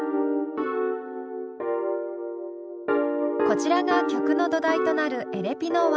こちらが曲の土台となるエレピの和音。